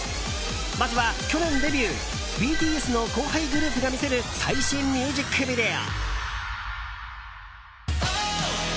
まずは去年デビューＢＴＳの後輩グループが魅せる最新ミュージックビデオ。